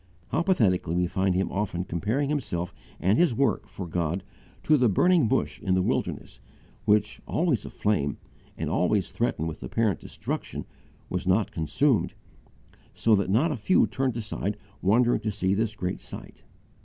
How pathetically we find him often comparing himself and his work for God to "the Burning Bush in the Wilderness" which, always aflame and always threatened with apparent destruction, was not consumed, so that not a few turned aside wondering to see this great sight.